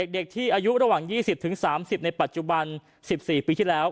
เด็กที่อายุระหว่าง๒๐๓๐ในปัจจุบัน๑๔ปีที่แล้ว